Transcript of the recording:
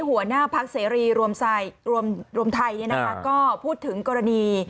หัวหน้าพักเศรีย์รวมรวมรวมไทยเนี้ยนะคะก็พูดถึงกรณี